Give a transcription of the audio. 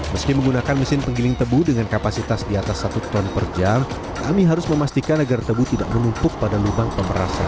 meski menggunakan mesin penggiling tebu dengan kapasitas di atas satu ton per jam kami harus memastikan agar tebu tidak menumpuk pada lubang pemerasan